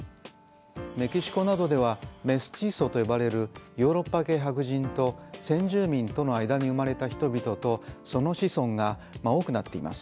メキシコなどではメスチーソと呼ばれるヨーロッパ系白人と先住民との間に生まれた人々とその子孫が多くなっています。